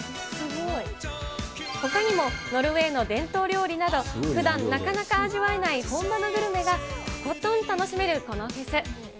ほかにもノルウェーの伝統料理など、ふだんなかなか味わえない本場のグルメがとことん楽しめるこのフェス。